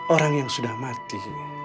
orang yang sudah mati